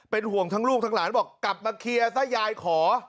ห่วงทั้งลูกทั้งหลานบอกกลับมาเคลียร์ซะยายขอ